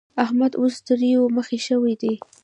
احمد اوس تريو مخی شوی دی.